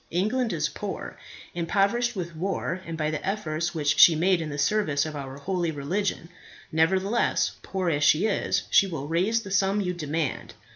England is poor, impoverished with war and by the efforts which she made in the service of our holy religion. Nevertheless, poor as she is, she will raise the sum you demand.